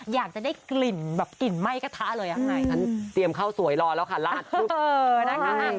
อยากจะได้กลิ่นแบบกลิ่นไหม้กระทะเลยอันนั้นเตรียมข้าวสวยร้อนแล้วค่ะลาด